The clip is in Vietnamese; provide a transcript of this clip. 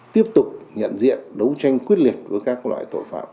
tiếp tục nhận diện đấu tranh quyết liệt với các loại tội phạm